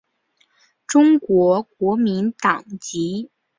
中国国民党籍。